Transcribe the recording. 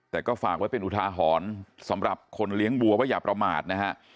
แต่ก็ฝากไว้เป็นอุทาหรณ์สำหรับคนเลี้ยงวัวว่าอย่าประมาทนะฮะ